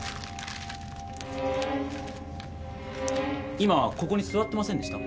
今ここに座ってませんでした？